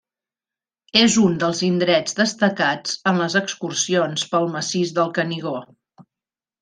És un dels indrets destacats en les excursions pel massís del Canigó.